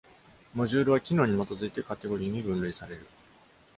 モジュールは、機能に基づいてカテゴリに分類される。